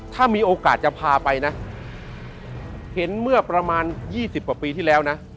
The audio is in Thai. ถ้ามีโอกาสจะพาไปนะเห็นเมื่อประมาณ๒๐กว่าปีที่แล้วนะ